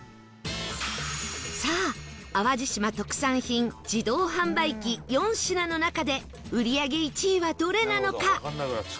さあ淡路島特産品自動販売機４品の中で売り上げ１位はどれなのか一発で当ててください